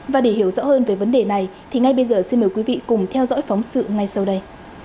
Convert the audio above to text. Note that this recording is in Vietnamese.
và để hiểu rõ hơn về vấn đề này thì ngay bây giờ xin mời quý vị cùng theo dõi phóng sự ngay sau đây